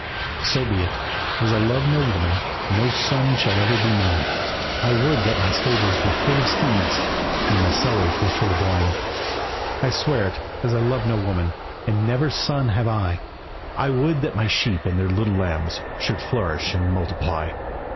"So be it, as I love no woman, No son shall ever be mine; I would that my stables were full of steeds, And my cellars were full of wine." "I swear it, as I love no woman, And never a son have I, I would that my sheep and their little lambs Should flourish and multiply.